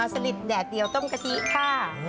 สนิทแดดเดียวต้มกะทิค่ะ